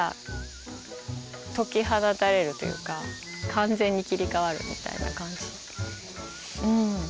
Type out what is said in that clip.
完全に切り替わるみたいな感じ。